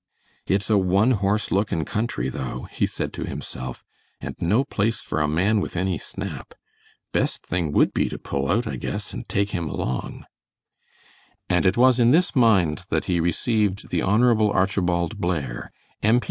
"It's a one horse looking country, though," he said to himself, "and no place for a man with any snap. Best thing would be to pull out, I guess, and take him along." And it was in this mind that he received the Honorable Archibald Blair, M.